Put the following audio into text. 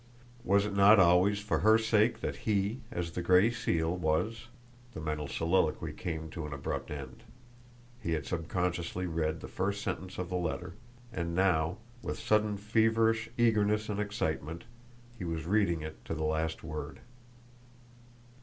Was it not always for her sake that he, as the Gray Seal, was The mental soliloquy came to an abrupt end. He had subconsciously read the first sentence of the letter, and now, with sudden feverish eagerness and excitement, he was reading it to the last word.